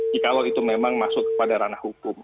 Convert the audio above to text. jikalau itu memang masuk kepada ranah hukum